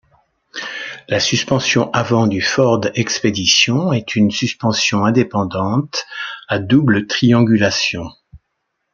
La suspension avant du Ford Expedition est une suspension indépendante à double triangulation.